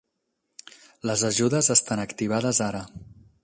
Les ajudes estan activades ara.